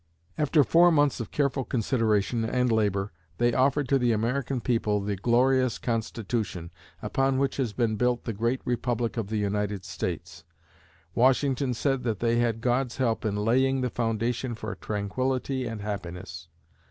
After four months of careful consideration and labor, they offered to the American people the glorious Constitution, upon which has been built up the great Republic of the United States. Washington said they had God's help in "laying the foundation for tranquillity and happiness."